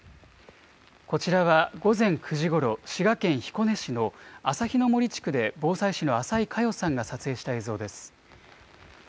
こちらは午前９時ごろ、滋賀県彦根市のあさひのもり地区で防災士の浅井華代さんが撮影した映像です。